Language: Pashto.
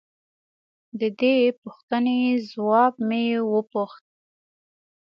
د دې پوښتنې ځواب مې وپوښت.